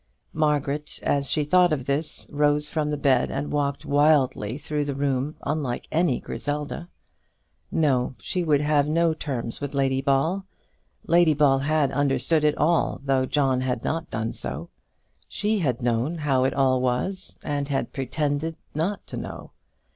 Margaret, as she thought of this, rose from the bed and walked wildly through the room unlike any Griselda. No; she would have no terms with Lady Ball. Lady Ball had understood it all, though John had not done so! She had known how it all was, and had pretended not to know.